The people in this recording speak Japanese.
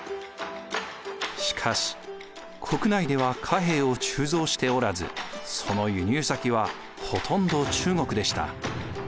しかし国内では貨幣を鋳造しておらずその輸入先はほとんど中国でした。